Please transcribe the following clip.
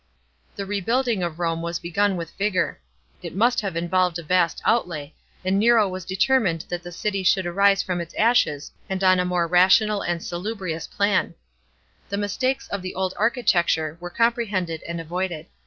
The rebuilding of Rome was begun with vigour. It must have involved a vast outlay, and Nero was determined that the city should arise from its ashes both on a more splendid scale and on a more rational and salubrious plan. The mi st ikes of the old archi tecture were comprehended and avoided.